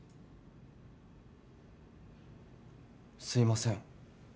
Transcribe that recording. すいません。